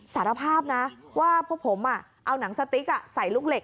สารภาพนะว่าพวกผมเอาหนังสติ๊กใส่ลูกเหล็